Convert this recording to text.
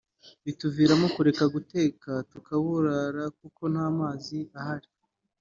bituviramo kureka guteka tukaburara kuko nta mazi ahari”